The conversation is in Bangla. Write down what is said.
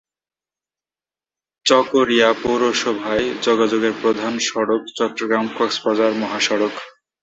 চকরিয়া পৌরসভায় যোগাযোগের প্রধান সড়ক চট্টগ্রাম-কক্সবাজার মহাসড়ক।